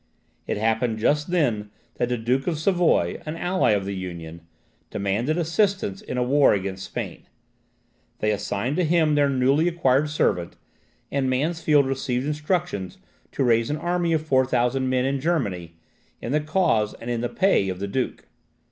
It happened just then that the Duke of Savoy, an ally of the Union, demanded assistance in a war against Spain. They assigned to him their newly acquired servant, and Mansfeld received instructions to raise an army of 4000 men in Germany, in the cause and in the pay of the duke.